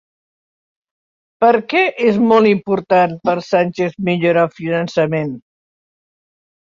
Per què és molt important per Sánchez millorar el finançament?